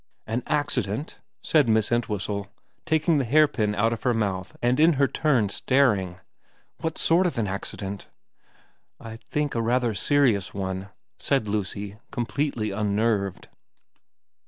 * An accident ?' said Miss Entwhistle, taking the hairpin out of her mouth and in her turn staring. ' What sort of an accident ?'* I think a rather serious one,' said Lucy, completely unnerved.